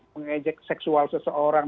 mengajak seksual seseorang